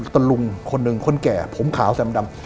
ตะลุงคนหนึ่งคนแก่ผมขาวแซมดำ